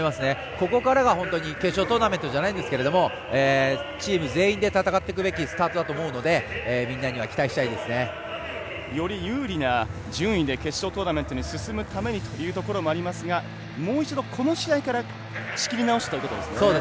ここからが、決勝トーナメントじゃないんですけどチーム全員で戦っていくべきスタートだと思うのでより有利な順位で決勝トーナメントに進むためにというところもありますがもう一度この試合から仕切り直しということですね。